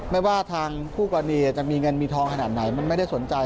ไม่ว่าทางคู่กรณีจะมีเงินมีทองขนาดไหนมันไม่ได้สนใจ